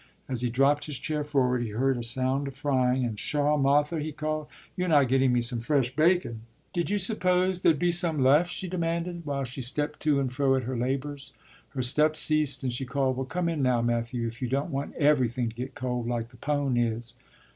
As he dropped his chair forward, he heard a sound of frying, and “Pshaw, Martha!” he called. “You're not getting me some fresh bacon?” “Did you suppose there'd be some left?” she demanded, while she stepped to and fro at her labors. Her steps ceased and she called, “Well, come in now, Matthew, if you don't want _every_thing to get cold, like the pone is.